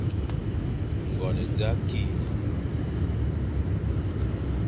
Ngon za ki,